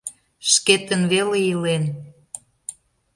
Шкетын веле илен.